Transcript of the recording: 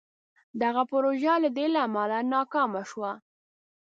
دغه پروژه له دې امله ناکامه شوه.